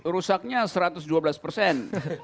rusaknya satu ratus dua belas persen